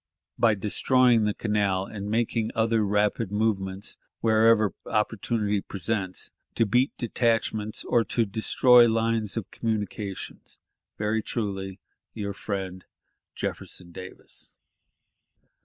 By destroying the canal and making other rapid movements wherever opportunity presents, to beat detachments or to destroy lines of communication.... "Very truly, your friend, "Jefferson Davis".